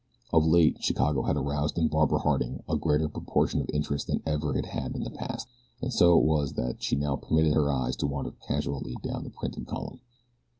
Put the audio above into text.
Of late Chicago had aroused in Barbara Harding a greater proportion of interest than ever it had in the past, and so it was that she now permitted her eyes to wander casually down the printed column.